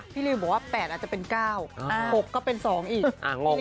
ริวบอกว่า๘อาจจะเป็น๙๖ก็เป็น๒อีก